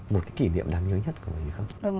một cái kỷ niệm đáng nhớ nhất của bà như thế nào